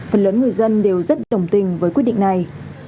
phần lớn người dân đều rất đồng tình với quyết định này